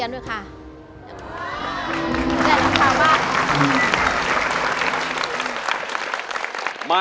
สู้ครับ